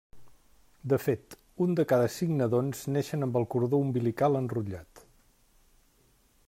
De fet, un de cada cinc nadons neixen amb el cordó umbilical enrotllat.